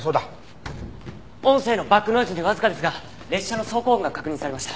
音声のバックノイズにわずかですが列車の走行音が確認されました。